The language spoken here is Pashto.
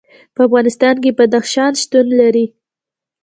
په افغانستان کې بدخشان شتون لري.